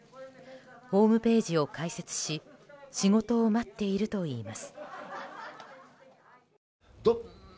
ホームページを開設し仕事を待っているといいます。